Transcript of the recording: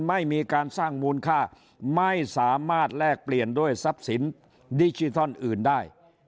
ไม่มีการสร้างมูลค่าไม่สามารถแลกเปลี่ยนด้วยทรัพย์สินดิจิทัลอื่นได้